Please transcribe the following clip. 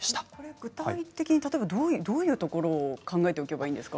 具体的にどういうところを考えたらいいですか？